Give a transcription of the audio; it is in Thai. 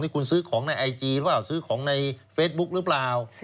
คุณซื้อของในไอจีหรือเปล่าซื้อของในเฟซบุ๊คหรือเปล่า